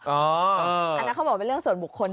อันนั้นเขาบอกเป็นเรื่องส่วนบุคคล